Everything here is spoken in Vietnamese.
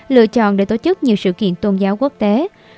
lựa chọn để tổ chức nhiều sự kiện tôn giáo quốc tế